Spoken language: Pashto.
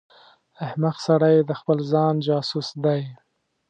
احمق سړی د خپل ځان جاسوس دی.